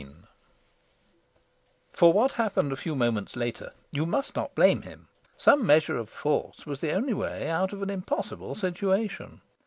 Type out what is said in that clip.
XVI For what happened a few moments later you must not blame him. Some measure of force was the only way out of an impossible situation.